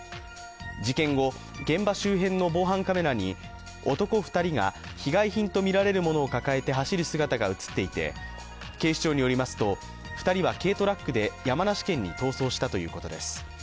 事件後、現場周辺の防犯カメラに男２人が被害品とみられるものを抱えて走る姿が映っていて、警視庁によりますと２人は軽トラックで山梨県に逃走したということです。